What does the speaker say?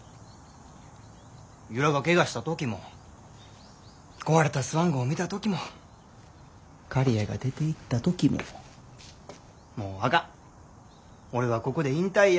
由良がケガした時も壊れたスワン号見た時も刈谷が出ていった時ももうあかん俺はここで引退やぁて。